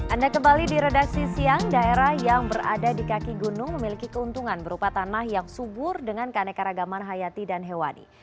anda kembali di redaksi siang daerah yang berada di kaki gunung memiliki keuntungan berupa tanah yang subur dengan keanekaragaman hayati dan hewani